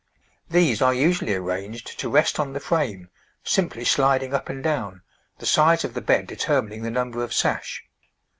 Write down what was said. These are usually arranged to rest on the frame, simply sliding up and down, the size of the bed determining the number of sash.